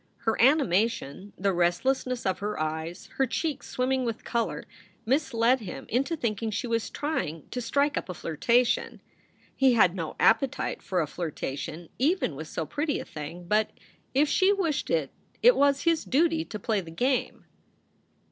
Her animation, the restlessness of her eyes, her cheeks swimming with color, misled him into thinking she was trying to strike up a flirtation. He had no appetite for a flirtation even with so pretty a thing, but if she wished it it was his duty to play the game.